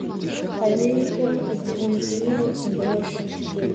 Hariho ikintu kimwe kimbabaza